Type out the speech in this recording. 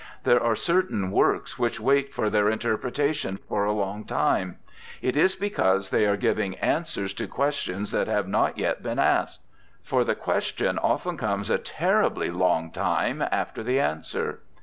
There are certain works which wait for their interpretation for a long time. It is because they are giving answers to questions that have not yet been asked for the question often comes a terribly long time after the answer.'